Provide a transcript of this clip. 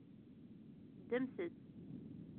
Ddmet-tt.